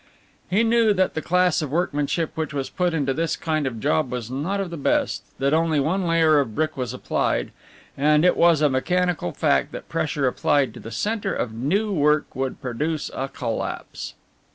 He knew that the class of workmanship which was put into this kind of job was not of the best, that only one layer of brick was applied, and it was a mechanical fact that pressure applied to the centre of new work would produce a collapse.